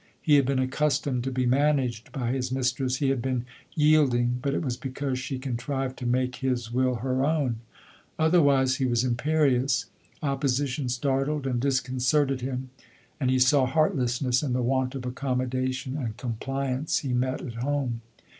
He had been accustomed to be managed by his mistress; he had been yielding, but it was because she contrived to make his will her own ; otherwise he was im perious: opposition startled and disconcerted him, and he saw heartlessness in the want of accommodation and compliance he met at home.